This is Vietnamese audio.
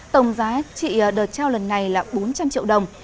tổng giá trị đợt trao lần này là bốn trăm linh triệu đồng